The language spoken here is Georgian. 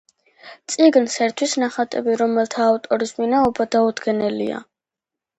წიგნს ერთვის ნახატები, რომელთა ავტორის ვინაობა დაუდგენელია.